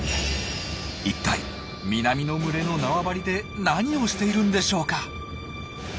一体南の群れの縄張りで何をしているんでしょうか？